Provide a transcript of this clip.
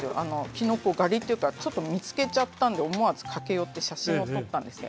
きのこ狩りというかちょっと見つけちゃったんで思わず駆け寄って写真を撮ったんですね。